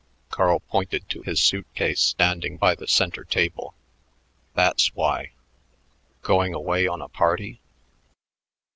Carl pointed to his suit case standing by the center table. "That's why." "Going away on a party?"